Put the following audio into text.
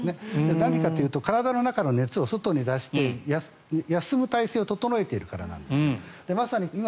何かというと体の中の熱を外に出して休む態勢を整えているからなんです。